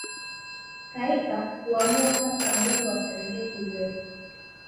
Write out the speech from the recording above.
Kaika kuamua sasa muundo wa Serengeti uweje